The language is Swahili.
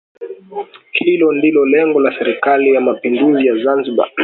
Hilo ndio lengo la Serikali ya Mapinduzi ya Zanzibar